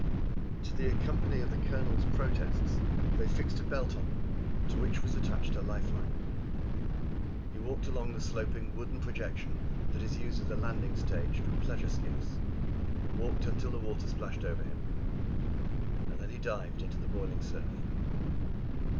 To the accompaniment of the Colonel's protests they fixed a belt on him, to which was attached the life line. He walked along the sloping wooden projection that is used as a landing stage for pleasure skiffs, walked until the water splashed over him. Then he dived into the boiling surf.